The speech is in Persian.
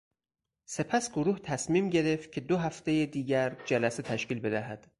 سپس گروه تصمیم گرفت که دو هفتهی دیگر جلسه تشکیل بدهد.